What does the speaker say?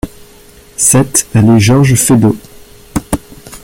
sept allée Georges Feydeau